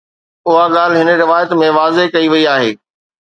اها ڳالهه هن روايت ۾ واضح ڪئي وئي آهي